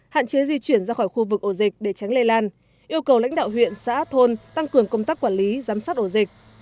hạn chế di chuyển ra khỏi khu vực ổ dịch để tránh lây lan yêu cầu lãnh đạo huyện xã thôn tăng cường công tác quản lý giám sát ổ dịch